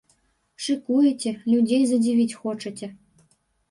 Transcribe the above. Шыкуеце, людзей задзівіць хочаце.